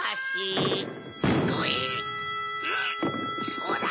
そうだ！